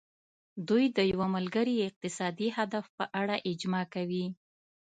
دوی د یو ځانګړي اقتصادي هدف په اړه اجماع کوي